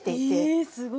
えっすごい！